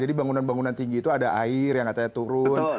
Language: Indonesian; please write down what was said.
jadi bangunan bangunan tinggi itu ada air yang katanya turun